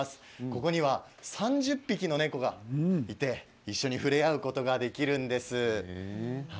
ここには３０匹の猫がいて一緒に触れ合うことができるんです。